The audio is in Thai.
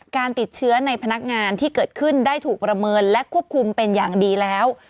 การติดเชื้อในพนักงานที่เกิดขึ้นได้ถูกประเมินและควบคุมเป็นอย่างดีแล้ว